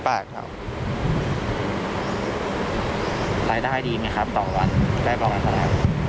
รายได้ดีไหมครับต่อวันได้ประมาณเท่าไหร่